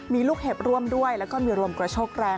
มีลูกเห็บร่วมด้วยแล้วก็มีลมกระโชกแรง